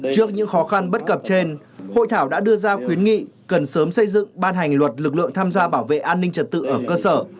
trước những khó khăn bất cập trên hội thảo đã đưa ra khuyến nghị cần sớm xây dựng ban hành luật lực lượng tham gia bảo vệ an ninh trật tự ở cơ sở